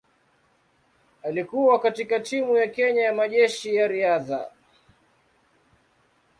Alikuwa katika timu ya Kenya ya Majeshi ya Riadha.